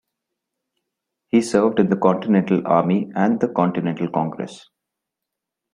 He served in the Continental Army and the Continental Congress.